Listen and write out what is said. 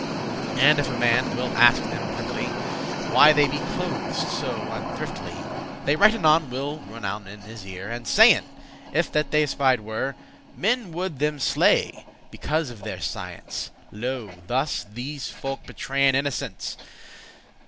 And if a man will ask them privily, Why they be clothed so unthriftily,* *shabbily They right anon will rownen* in his ear, *whisper And sayen, if that they espied were, Men would them slay, because of their science: Lo, thus these folk betrayen innocence!